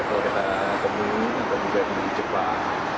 atau kereta kebun atau juga di jepang